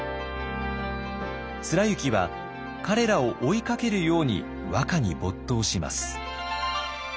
貫之は彼らを追いかけるように和歌に没頭します。